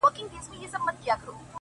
خو د دې اور په بارانونو کي به ځان ووينم;